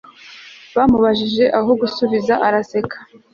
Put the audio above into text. bamubajije aho gusubiza araseka